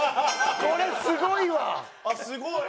これすごいわ！